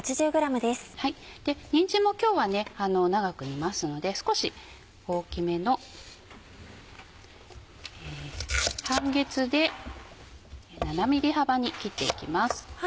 にんじんも今日は長く煮ますので少し大きめの半月で７ｍｍ幅に切っていきます。